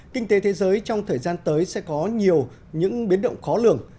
kinh tế thế giới trong thời gian tới sẽ có nhiều những biến động khó lường